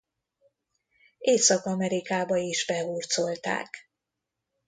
Észak-Amerikába is behurcolták.